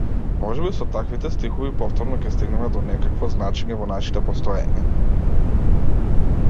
Можеби со таквите стихови повторно ќе стигнеме до некакво значење во нашите постоења.